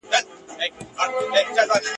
ما د زمانې د خُم له رنګه څخه وساته ..